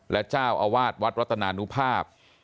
และเจ้าอาวาสวัดรัตนานุภาพ